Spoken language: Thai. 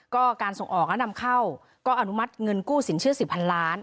ก็การส่งออกและนำเข้าก็อนุมัติเงินกู้สินเชื่อสิบพันล้าน